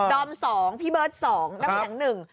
ดอม๒พี่เบิร์ด๒แล้วก็แห่ง๑